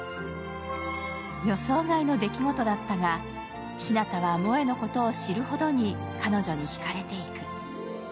予想外の出来事だったが、日向は萌のことを知るほどに彼女にひかれていく。